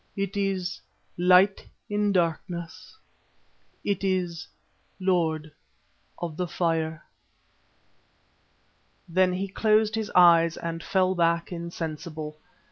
It is 'Light in Darkness.' It is 'Lord of the Fire.'" Then he closed his eyes and fell back insensible.